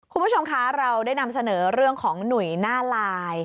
คุณผู้ชมคะเราได้นำเสนอเรื่องของหนุ่ยหน้าลาย